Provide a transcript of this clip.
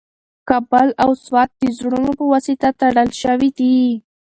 کابل او سوات د زړونو په واسطه تړل شوي دي.